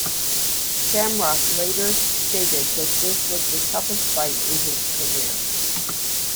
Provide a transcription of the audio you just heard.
Shamrock later stated that this was the toughest fight in his career.